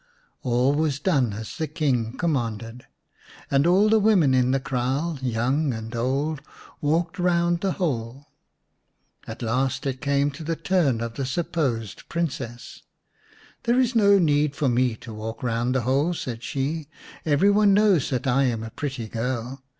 All was done as the King commanded, and all the women in the kraal, young and old, walked round the hole. At last it came to the turn of the supposed Princess. " There is no need for me to walk round the hole," said she. " Every one knows that I am a pretty girl.